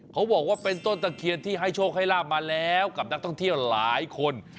เขาบอกว่าเป็นต้นตะเคียนที่ให้โชคให้ลาบมาแล้วกับนักท่องเที่ยวหลายคน